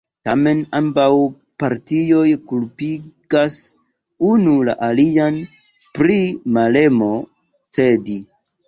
Tamen ambaŭ partioj kulpigas unu la alian pri malemo cedi.